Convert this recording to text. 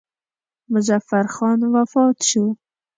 مظفر خان وفات شو.